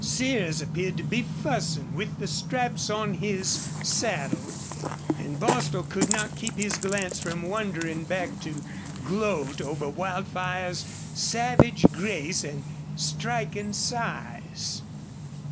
Sears appeared to be fussing with the straps on his saddle. And Bostil could not keep his glance from wandering back to gloat over Wildfire's savage grace and striking size.